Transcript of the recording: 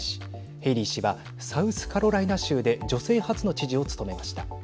ヘイリー氏はサウスカロライナ州で女性初の知事を務めました。